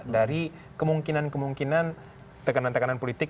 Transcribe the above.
dari kemungkinan kemungkinan tekanan tekanan politik